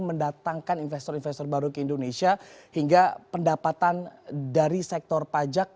mendatangkan investor investor baru ke indonesia hingga pendapatan dari sektor pajak